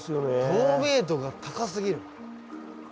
透明度が高すぎる。